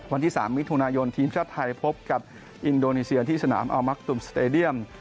วันที่๓มิถุนายนทีมชาติไทยพบกับอินโดนีเซียที่สนามอัลมักตุมสเตดียม